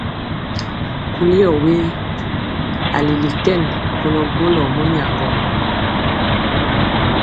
Kuli ɔ we? A leli kɛn kolɔ golɔ mɔnyaŋgɔ.